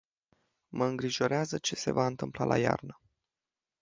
Mă îngrijorează ce se va întâmpla la iarnă.